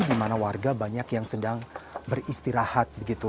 di mana warga banyak yang sedang beristirahat begitu